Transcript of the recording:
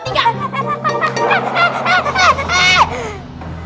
nanti aku yang dorong